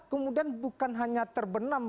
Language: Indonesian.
kemudian bukan hanya terbenam